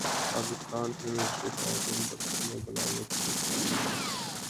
Pakistan film industry خواتین پر فلمیں بنانے کیلئے تیار نہیں